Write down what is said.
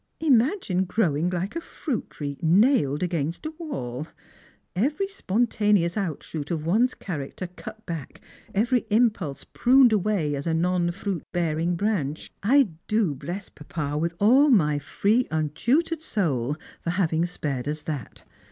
Imagine growing like a fruit tree nailed against a wall; every spontaneous outshoot of one's character cut back, every impulse pruned away as a non fruit beuring branch ! 1 do bless papa with all my free untutored soul for having spared us that.